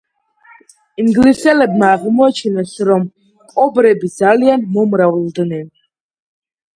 ინგლისელებმა აღმოაჩინეს, რომ კობრები ძალიან მომრავლდნენ.